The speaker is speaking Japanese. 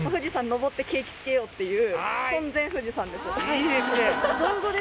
いいですね。